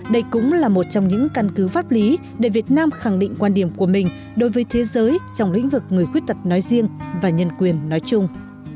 đây cũng là một trong những căn cứ pháp lý để việt nam khẳng định quan điểm của mình đối với thế giới trong lĩnh vực người khuyết tật nói riêng và nhân quyền nói chung